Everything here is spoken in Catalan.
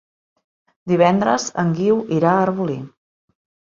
Divendres en Guiu irà a Arbolí.